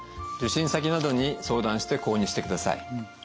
受診先などに相談して購入してください。